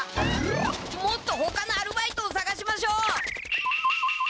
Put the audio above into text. もっとほかのアルバイトをさがしましょう！